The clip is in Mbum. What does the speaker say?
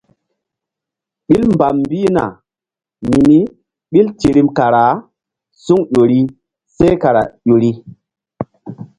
Ɓil mbam mbihna mini ɓil tirim kara suŋ ƴo ri seh kara ƴo ri.